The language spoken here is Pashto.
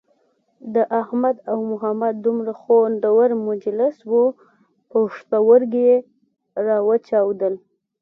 د احمد او محمد دومره خوندور مجلس وو پوښتورگي یې را وچاودل.